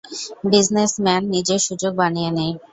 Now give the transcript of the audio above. Businessman নিজের সুযোগ বানিয়ে নেয়।